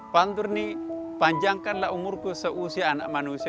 panturni panjangkanlah umurku seusia anak manusia